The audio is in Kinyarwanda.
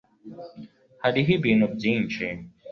hariho ibintu byinshi